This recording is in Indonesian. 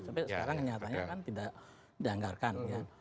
tapi sekarang nyatanya kan tidak dianggarkan